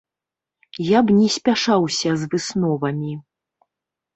Я б не спяшаўся з высновамі.